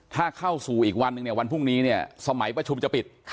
ถ้าเข้าสู่อีกวันวันพรุ่งนี้สมัยประชุมจะปิด